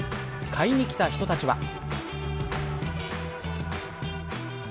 買いに来た人たちは。